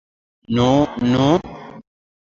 Nu, nu?